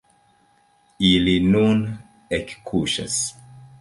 Ili nun ekkuŝas.